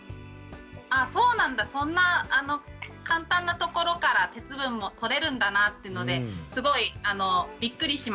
あそうなんだそんな簡単なところから鉄分もとれるんだなっていうのですごいびっくりしました。